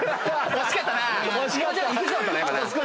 惜しかったな。